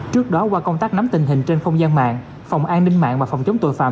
trước đó qua công tác nắm tình hình trên không gian mạng phòng an ninh mạng và phòng chống tội phạm